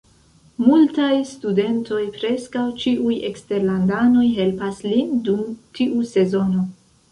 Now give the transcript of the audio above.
Multaj studentoj, preskaŭ ĉiuj eksterlandanoj, helpas lin dum tiu sezono.